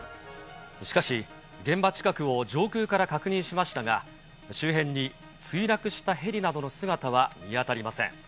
しかし、現場近くを上空から確認しましたが、周辺に墜落したヘリなどの姿は見当たりません。